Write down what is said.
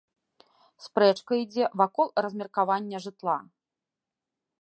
Спрэчка ідзе вакол размеркавання жытла.